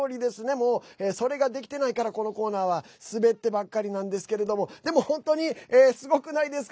もう、それができてないからこのコーナーはスベってばっかりなんですけれどもでも本当に、すごくないですか？